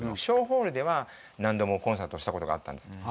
小ホールでは何度もコンサートした事があったんです。